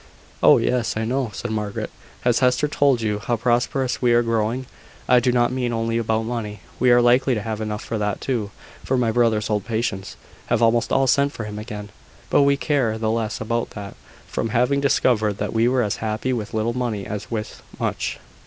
"Oh, yes! I know," said Margaret. "Has Hester told you how prosperous we are growing? I do not mean only about money. We are likely to have enough of that too, for my brother's old patients have almost all sent for him again: but we care the less about that from having discovered that we were as happy with little money as with much.